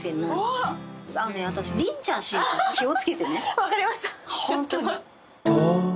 分かりました。